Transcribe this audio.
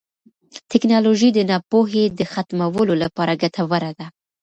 ټیکنالوژي د ناپوهۍ د ختمولو لپاره ګټوره ده.